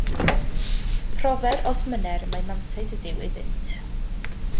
Profer, os mynner, mai mantais ydyw iddynt.